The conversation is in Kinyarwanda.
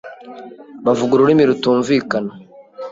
bavuga ururimi rutumvikana